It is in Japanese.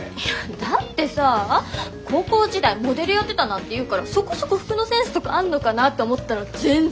だってさ高校時代モデルやってたなんて言うからそこそこ服のセンスとかあんのかなって思ったら全然！